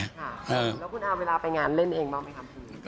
ค่ะแล้วคุณอามเวลาไปงานเล่นเองบ้างไหมครับพี่